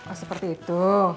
oh seperti itu